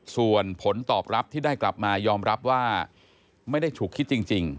ส่วนผลตอบรับที่ได้กลับมายอมรับว่าไม่ได้ฉุกคิดจริง